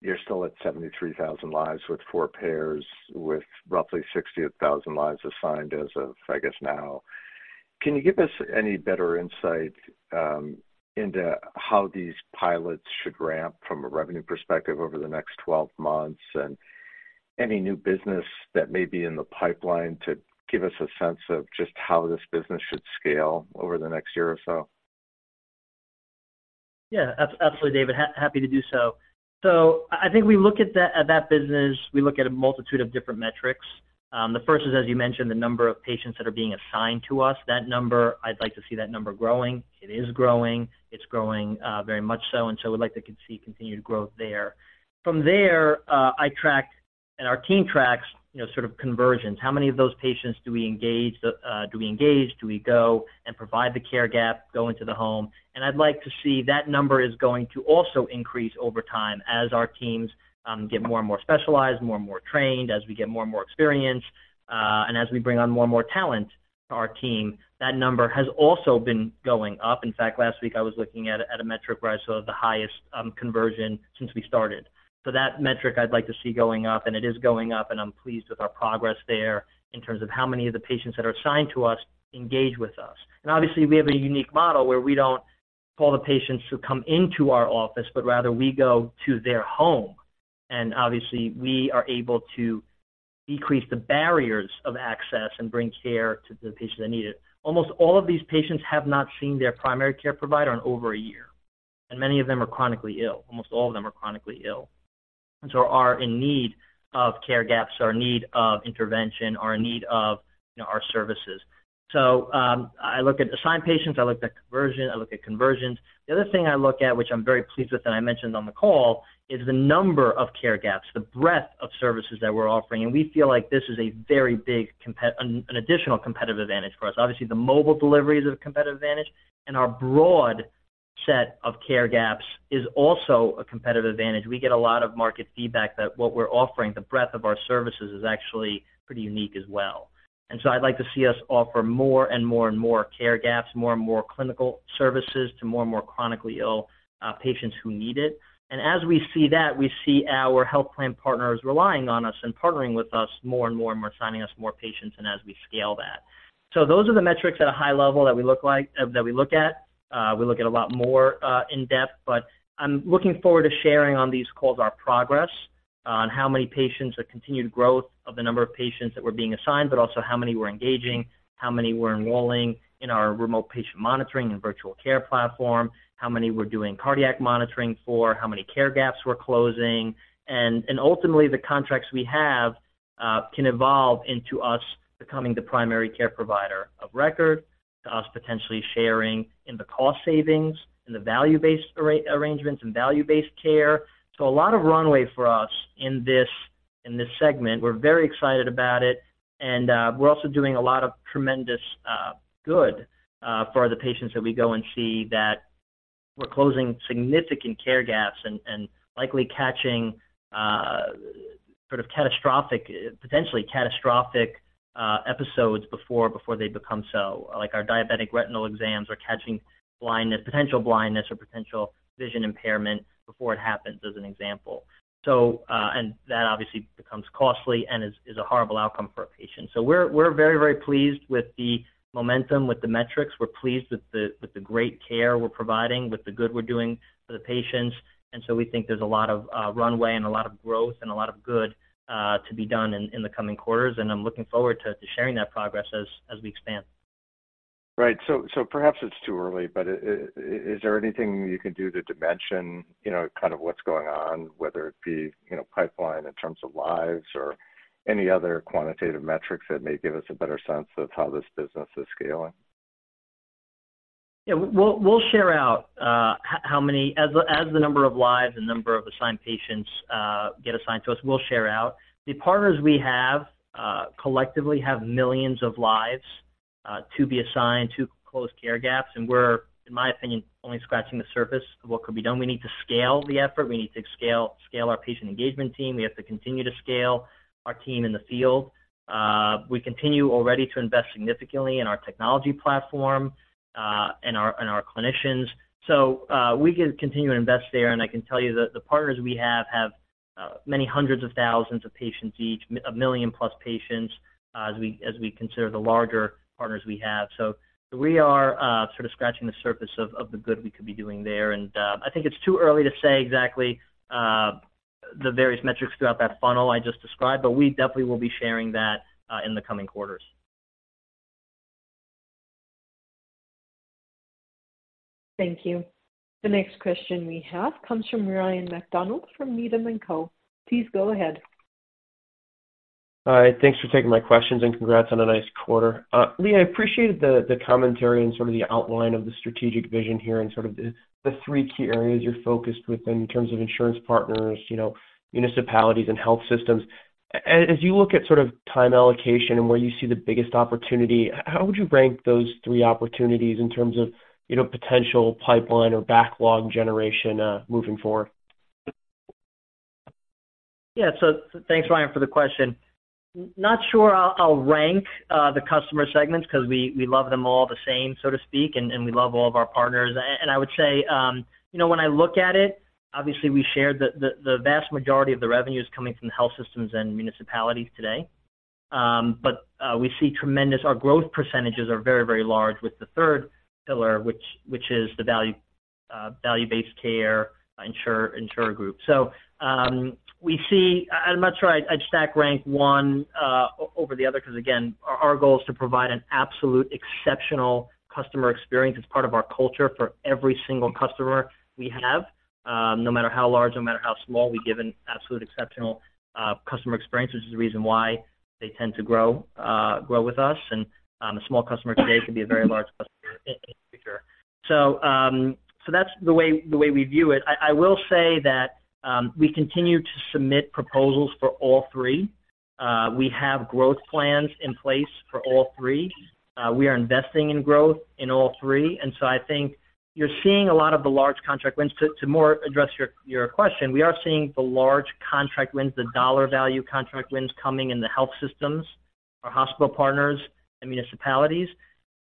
you're still at 73,000 lives with four payers, with roughly 68,000 lives assigned as of, I guess, now. Can you give us any better insight into how these pilots should ramp from a revenue perspective over the next 12 months, and any new business that may be in the pipeline, to give us a sense of just how this business should scale over the next year or so? Yeah, absolutely, David. Happy to do so. So I think we look at that, at that business, we look at a multitude of different metrics. The first is, as you mentioned, the number of patients that are being assigned to us. That number, I'd like to see that number growing. It is growing. It's growing very much so, and so we'd like to see continued growth there. From there, I track, and our team tracks, you know, sort of conversions. How many of those patients do we engage, do we go and provide the care gap, go into the home? I'd like to see that number is going to also increase over time as our teams get more and more specialized, more and more trained, as we get more and more experience, and as we bring on more and more talent to our team, that number has also been going up. In fact, last week I was looking at a metric where I saw the highest conversion since we started. That metric I'd like to see going up, and it is going up, and I'm pleased with our progress there in terms of how many of the patients that are assigned to us engage with us. Obviously, we have a unique model where we don't pull the patients who come into our office, but rather we go to their home. Obviously, we are able to decrease the barriers of access and bring care to the patients that need it. Almost all of these patients have not seen their primary care provider in over a year, and many of them are chronically ill. Almost all of them are chronically ill and so are in need of care gaps, or in need of intervention, or in need of, you know, our services. So, I look at assigned patients, I look at conversion, I look at conversions. The other thing I look at, which I'm very pleased with, and I mentioned on the call, is the number of care gaps, the breadth of services that we're offering. And we feel like this is a very big additional competitive advantage for us. Obviously, the mobile delivery is a competitive advantage, and our broad set of care gaps is also a competitive advantage. We get a lot of market feedback that what we're offering, the breadth of our services, is actually pretty unique as well. And so I'd like to see us offer more and more and more care gaps, more and more clinical services to more and more chronically ill patients who need it. And as we see that, we see our health plan partners relying on us and partnering with us more and more and more, assigning us more patients and as we scale that. So those are the metrics at a high level that we look at. We look at a lot more, in depth, but I'm looking forward to sharing on these calls our progress on how many patients, the continued growth of the number of patients that we're being assigned, but also how many we're engaging, how many we're enrolling in our remote patient monitoring and virtual care platform, how many we're doing cardiac monitoring for, how many care gaps we're closing. And ultimately, the contracts we have can evolve into us becoming the primary care provider of record, to us potentially sharing in the cost savings, in the value-based arrangements and value-based care. So a lot of runway for us in this segment. We're very excited about it, and we're also doing a lot of tremendous good for the patients that we go and see, that we're closing significant care gaps and likely catching sort of catastrophic, potentially catastrophic episodes before they become so. Like our diabetic retinal exams are catching blindness, potential blindness or potential vision impairment before it happens, as an example. So that obviously becomes costly and is a horrible outcome for a patient. So we're very pleased with the momentum, with the metrics. We're pleased with the great care we're providing, with the good we're doing for the patients. And so we think there's a lot of runway and a lot of growth and a lot of good to be done in the coming quarters, and I'm looking forward to sharing that progress as we expand. Right. So perhaps it's too early, but, is there anything you can do to dimension, you know, kind of what's going on, whether it be, you know, pipeline in terms of lives or any other quantitative metrics that may give us a better sense of how this business is scaling? Yeah. We'll share out how many. As the number of lives and number of assigned patients get assigned to us, we'll share out. The partners we have collectively have millions of lives to be assigned to close care gaps, and we're, in my opinion, only scratching the surface of what could be done. We need to scale the effort. We need to scale our patient engagement team. We have to continue to scale our team in the field. We continue already to invest significantly in our technology platform and our clinicians. So, we can continue to invest there, and I can tell you that the partners we have have many hundreds of thousands of patients each, a million-plus patients, as we consider the larger partners we have. So we are sort of scratching the surface of the good we could be doing there. And I think it's too early to say exactly the various metrics throughout that funnel I just described, but we definitely will be sharing that in the coming quarters. Thank you. The next question we have comes from Ryan MacDonald from Needham & Co. Please go ahead. Hi, thanks for taking my questions, and congrats on a nice quarter. Lee, I appreciated the commentary and sort of the outline of the strategic vision here and sort of the three key areas you're focused within, in terms of insurance partners, you know, municipalities and health systems. As you look at sort of time allocation and where you see the biggest opportunity, how would you rank those three opportunities in terms of, you know, potential pipeline or backlog generation, moving forward? Yeah. So thanks, Ryan, for the question. Not sure I'll rank the customer segments because we love them all the same, so to speak, and we love all of our partners. And I would say, you know, when I look at it, obviously, we shared the vast majority of the revenue is coming from the health systems and municipalities today. But we see tremendous. Our growth percentages are very, very large with the third pillar, which is the value-based care insurer group. So we see. I'm not sure I'd stack rank one over the other, because, again, our goal is to provide an absolute exceptional customer experience. It's part of our culture for every single customer we have. No matter how large, no matter how small, we give an absolute exceptional customer experience, which is the reason why they tend to grow, grow with us. And a small customer today could be a very large customer in the future. So that's the way we view it. I will say that we continue to submit proposals for all three. We have growth plans in place for all three. We are investing in growth in all three, and so I think you're seeing a lot of the large contract wins. To more address your question, we are seeing the large contract wins, the dollar value contract wins coming in the health systems, our hospital partners and municipalities.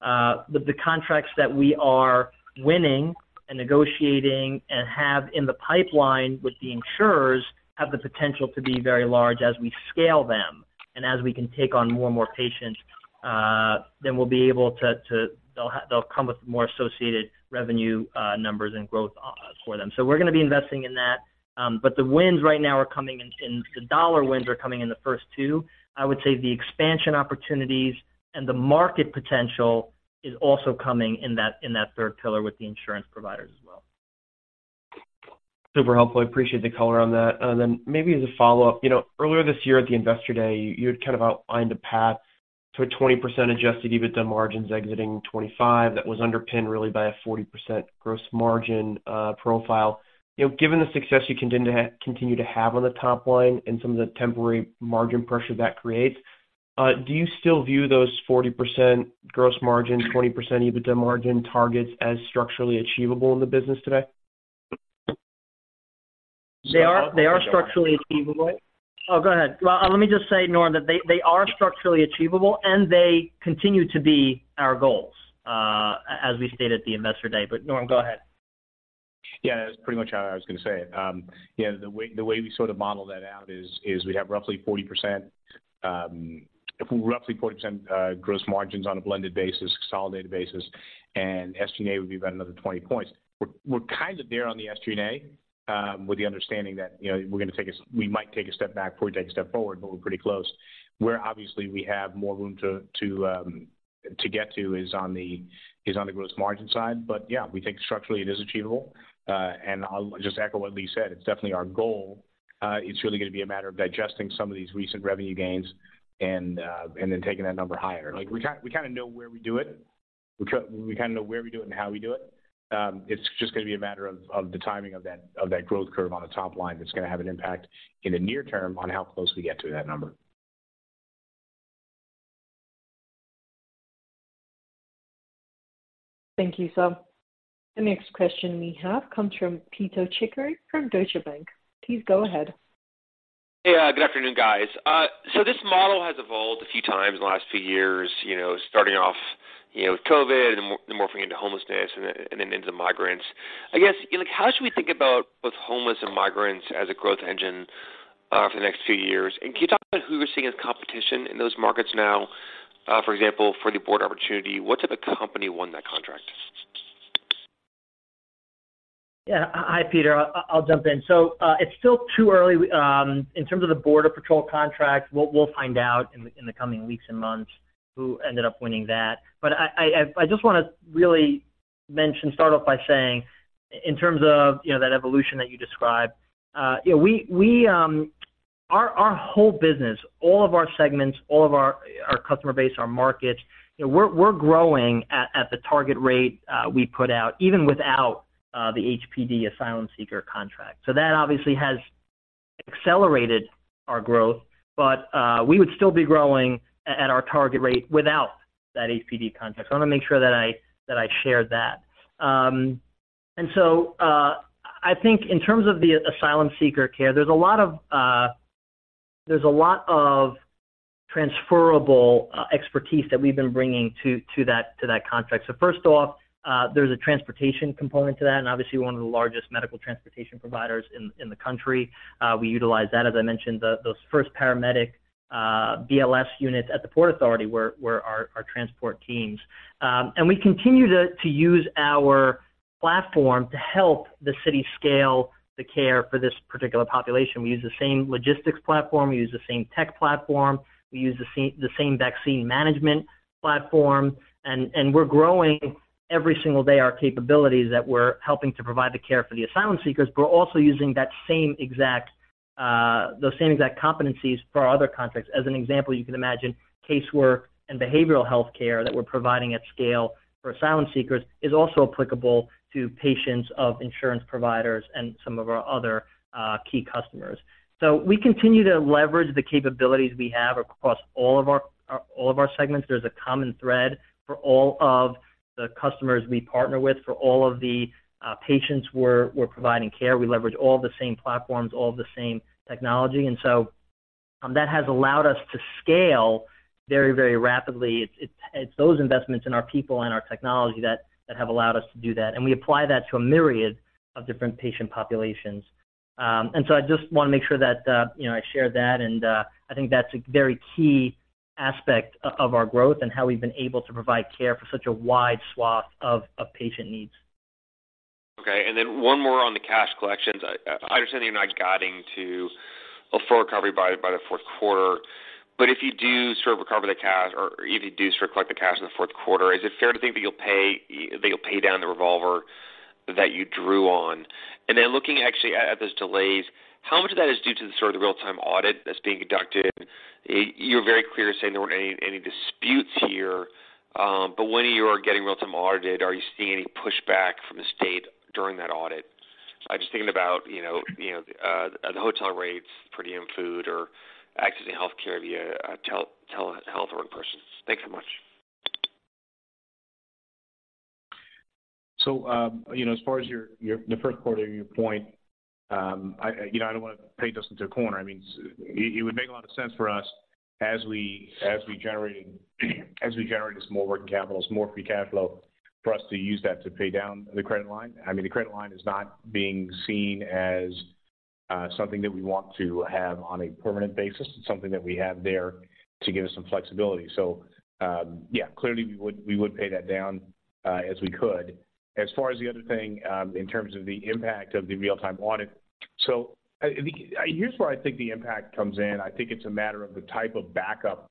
The contracts that we are winning and negotiating and have in the pipeline with the insurers have the potential to be very large as we scale them. And as we can take on more and more patients, then we'll be able to. They'll come with more associated revenue numbers and growth for them. So we're gonna be investing in that. But the wins right now are coming in the dollar wins are coming in the first two. I would say the expansion opportunities and the market potential is also coming in that third pillar with the insurance providers as well. Super helpful. I appreciate the color on that. Then maybe as a follow-up, you know, earlier this year at the Investor Day, you had kind of outlined a path to a 20% adjusted EBITDA margins exiting 2025, that was underpinned really by a 40% gross margin profile. You know, given the success you continue to have on the top line and some of the temporary margin pressure that creates, do you still view those 40% gross margins, 20% EBITDA margin targets as structurally achievable in the business today? They are, they are structurally achievable. Oh, go ahead. Well, let me just say, Norm, that they, they are structurally achievable, and they continue to be our goals, as we stated at the Investor Day. But Norm, go ahead. Yeah, that's pretty much how I was gonna say it. You know, the way we sort of model that out is we have roughly 40%, roughly 40% gross margins on a blended basis, consolidated basis, and SG&A would be about another 20 points. We're kind of there on the SG&A, with the understanding that, you know, we're gonna take we might take a step back before we take a step forward, but we're pretty close. Where obviously we have more room to get to is on the gross margin side. But yeah, we think structurally it is achievable. And I'll just echo what Lee said, it's definitely our goal. It's really gonna be a matter of digesting some of these recent revenue gains and then taking that number higher. Like, we kind of know where we do it. We kind of know where we do it and how we do it. It's just gonna be a matter of the timing of that growth curve on the top line that's gonna have an impact in the near term on how close we get to that number. Thank you. So the next question we have comes from Pito Chickering from Deutsche Bank. Please go ahead. Yeah, good afternoon, guys. So this model has evolved a few times in the last few years, you know, starting off, you know, with COVID and morphing into homelessness and then into migrants. I guess, like, how should we think about both homeless and migrants as a growth engine for the next few years? And can you talk about who you're seeing as competition in those markets now? For example, for the border opportunity, what type of company won that contract? Yeah. Hi, Pito. I'll jump in. So, it's still too early in terms of the U.S. Border Patrol contract. We'll find out in the coming weeks and months who ended up winning that. But I just want to really mention, start off by saying, in terms of, you know, that evolution that you described, you know, we, our whole business, all of our segments, all of our customer base, our markets, you know, we're growing at the target rate we put out, even without the HPD asylum seeker contract. So that obviously has accelerated our growth, but we would still be growing at our target rate without that HPD contract. So I want to make sure that I shared that. And so, I think in terms of the asylum seeker care, there's a lot of transferable expertise that we've been bringing to that contract. So first off, there's a transportation component to that, and obviously, one of the largest medical transportation providers in the country. We utilize that. As I mentioned, those first paramedic BLS units at the Port Authority were our transport teams. And we continue to use our platform to help the city scale the care for this particular population. We use the same logistics platform, we use the same tech platform, we use the same vaccine management platform, and we're growing every single day our capabilities that we're helping to provide the care for the asylum seekers. We're also using that same exact, those same exact competencies for our other contracts. As an example, you can imagine casework and behavioral healthcare that we're providing at scale for asylum seekers is also applicable to patients of insurance providers and some of our other, key customers. So we continue to leverage the capabilities we have across all of our segments. There's a common thread for all of the customers we partner with, for all of the patients we're providing care. We leverage all the same platforms, all the same technology, and so, that has allowed us to scale very, very rapidly. It's those investments in our people and our technology that have allowed us to do that, and we apply that to a myriad of different patient populations. And so I just want to make sure that, you know, I share that, and I think that's a very key aspect of our growth and how we've been able to provide care for such a wide swath of patient needs. Okay, and then one more on the cash collections. I understand you're not guiding to a full recovery by the fourth quarter. But if you do sort of recover the cash, or if you do sort of collect the cash in the fourth quarter, is it fair to think that you'll pay down the revolver that you drew on? And then looking actually at those delays, how much of that is due to sort of the real-time audit that's being conducted? You're very clear to say there weren't any disputes here, but when you're getting real-time audited, are you seeing any pushback from the state during that audit? I'm just thinking about, you know, the hotel rates, per diem food, or accessing healthcare via tele-health workers. Thanks so much. So, you know, as far as your, the first quarter, your point, I, you know, I don't want to paint us into a corner. I mean, it would make a lot of sense for us as we, as we generate, as we generate this more working capital, this more free cash flow, for us to use that to pay down the credit line. I mean, the credit line is not being seen as something that we want to have on a permanent basis. It's something that we have there to give us some flexibility. So, yeah, clearly, we would, we would pay that down as we could. As far as the other thing, in terms of the impact of the real-time audit, so here's where I think the impact comes in. I think it's a matter of the type of backup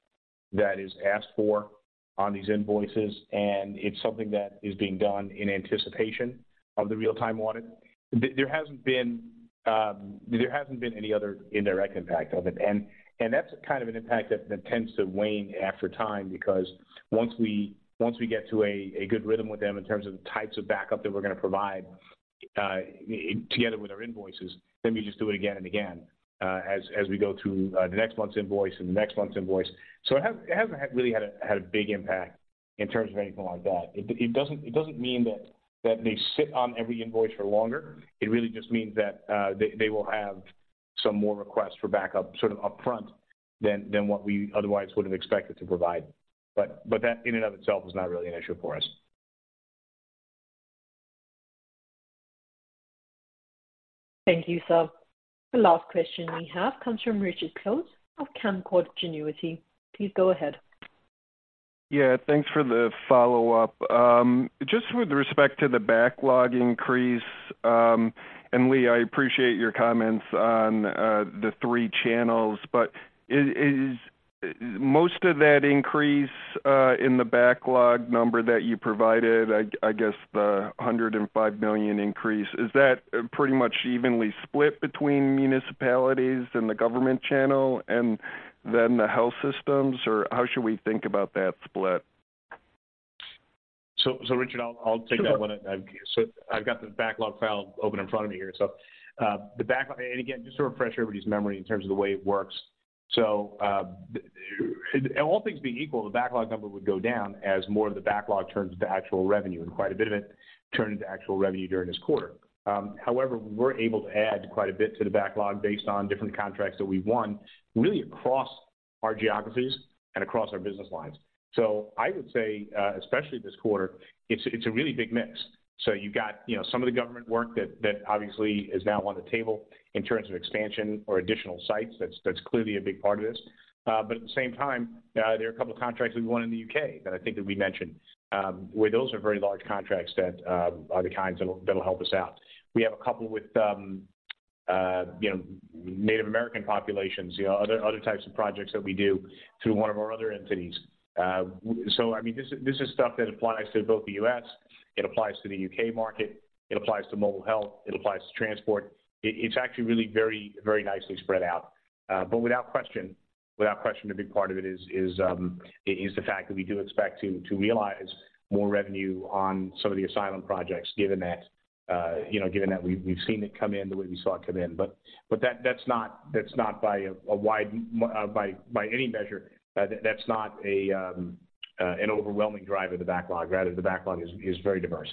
that is asked for on these invoices, and it's something that is being done in anticipation of the real-time audit. There hasn't been any other indirect impact of it. And that's kind of an impact that tends to wane after time because once we get to a good rhythm with them in terms of the types of backup that we're gonna provide together with our invoices, then we just do it again and again as we go through the next month's invoice and the next month's invoice. So it hasn't really had a big impact in terms of anything like that. It doesn't mean that they sit on every invoice for longer. It really just means that they will have some more requests for backup, sort of upfront than what we otherwise would have expected to provide. But that in and of itself is not really an issue for us. Thank you, sir. The last question we have comes from Richard Close of Canaccord Genuity. Please go ahead. Yeah, thanks for the follow-up. Just with respect to the backlog increase, and Lee, I appreciate your comments on the three channels, but is most of that increase in the backlog number that you provided, I guess, the $105 million increase, pretty much evenly split between municipalities and the government channel and then the health systems? Or how should we think about that split? So, Richard, I'll take that one. Sure. So I've got the backlog file open in front of me here. So, the backlog and again, just to refresh everybody's memory in terms of the way it works. So, all things being equal, the backlog number would go down as more of the backlog turns into actual revenue, and quite a bit of it turned into actual revenue during this quarter. However, we were able to add quite a bit to the backlog based on different contracts that we won, really across our geographies and across our business lines. So I would say, especially this quarter, it's a really big mix. So you've got, you know, some of the government work that obviously is now on the table in terms of expansion or additional sites. That's clearly a big part of this. But at the same time, there are a couple of contracts we won in the U.K. that I think that we mentioned, where those are very large contracts that are the kinds that will, that will help us out. We have a couple with, you know, Native American populations, you know, other, other types of projects that we do through one of our other entities. So I mean, this is, this is stuff that applies to both the U.S., it applies to the U.K. market, it applies to Mobile Health, it applies to transport. It, it's actually really very, very nicely spread out. But without question, without question, a big part of it is the fact that we do expect to realize more revenue on some of the asylum projects, given that, you know, given that we've seen it come in the way we saw it come in. But that, that's not by a wide, by any measure, that's not an overwhelming drive of the backlog. Rather, the backlog is very diverse.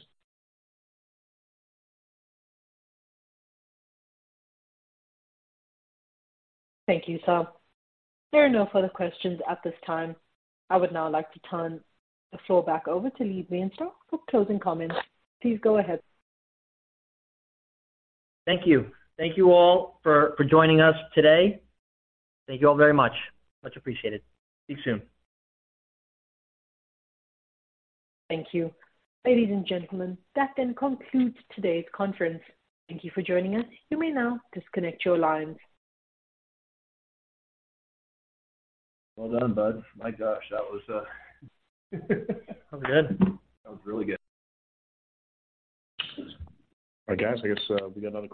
Thank you, sir. There are no further questions at this time. I would now like to turn the floor back over to Lee Bienstock for closing comments. Please go ahead. Thank you. Thank you all for joining us today. Thank you all very much. Much appreciated. See you soon. Thank you. Ladies and gentlemen, that then concludes today's conference. Thank you for joining us. You may now disconnect your lines. Well done, bud. My gosh, that was. Was good? That was really good. All right, guys, I guess, we got another-